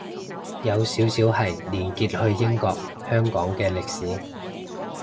有少少係連結去英國香港嘅歷史